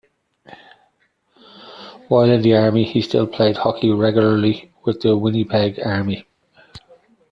While in the army, he still played hockey regularly with the Winnipeg Army.